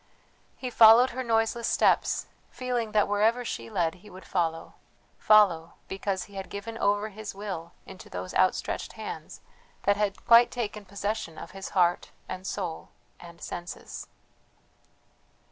He followed her noiseless steps, feeling that wherever she led he would follow, follow, because he had given over his will into those outstretched hands, that had quite taken possession of his heart, and soul, and senses.